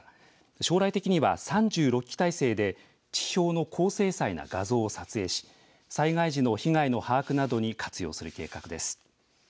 将来的には３６基体制で地表の高精細な画像を撮影し災害時の被害の把握などに活用する計画です。